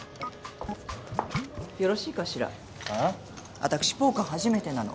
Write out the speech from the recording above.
私ポーカー初めてなの。